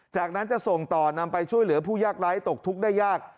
จากนั้นจะส่งต่อนำไปช่วยเหลือผู้ยากไร้ตกทุกข์ได้ยาก